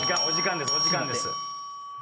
お時間です。